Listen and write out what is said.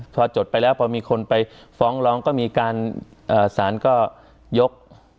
พอจดไปแล้วพอมีคนไปฟ้องร้องก็มีการสารก็ยก